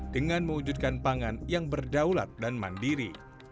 dengan mewujudkan pangan yang berdaulat dan mandiri